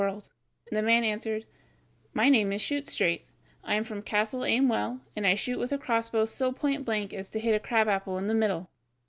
And the man answered: "My name is Shoot straight, I am from Castle Aim well, and I can shoot with a crossbow so point blank as to hit a crab apple in the middle."